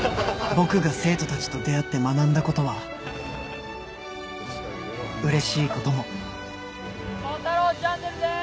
僕が生徒たちと出会って学んだことは嬉しいことも虎太朗チャンネルです！